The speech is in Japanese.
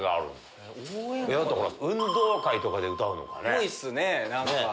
っぽいっすね何か。